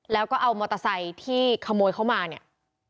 แล้วก็เอามอเตอร์ไซค์ที่ขโมยเขามาเนี่ย